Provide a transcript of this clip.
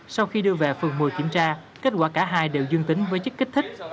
sau khi đưa về phường một mươi kiểm tra kết quả cả hai đều dương tính với chất kích thích